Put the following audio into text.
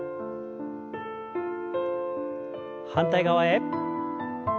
反対側へ。